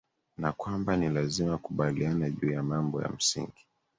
na kwamba ni lazima wakubaliane juu ya mambo ya msingi